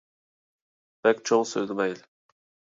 بەك چوڭ سۆزلىمەيلى ،